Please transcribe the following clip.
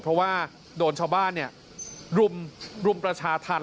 เพราะว่าโดนชาวบ้านรุมประชาธรรม